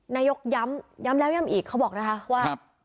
นายกย้ำย้ำแล้วย้ำอีกเขาบอกนะคะว่า